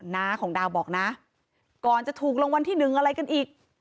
น้าของดาวบอกนะก่อนจะถูกรางวัลที่หนึ่งอะไรกันอีก